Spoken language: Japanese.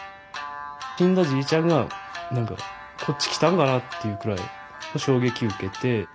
死んだじいちゃんが何かこっち来たんかなっていうくらい衝撃受けて。